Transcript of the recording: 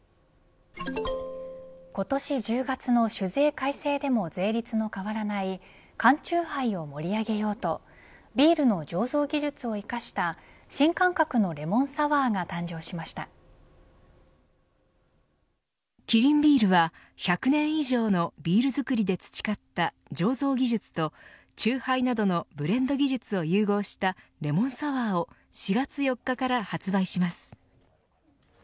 今年１０月の酒税改正でも税率の変わらない缶チューハイを盛り上げようとビールの醸造技術を生かした新感覚のレモンサワ―がキリンビールは１００年以上のビール造りで培った醸造技術とチューハイなどのブレンド技術を融合したレモンサワ―を４月４日から発売します。